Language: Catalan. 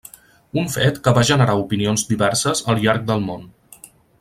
Un fet que va generar opinions diverses al llarg del món.